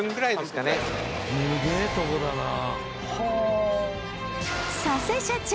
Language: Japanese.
すげえとこだなはあ